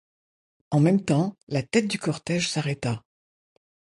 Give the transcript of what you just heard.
En même temps la tête du cortège s’arrêta.